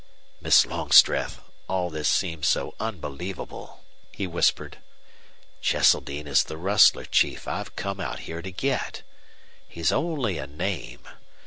"Miss Longstreth, all this seems so unbelievable," he whispered. "Cheseldine is the rustler chief I've come out here to get. He's only a name.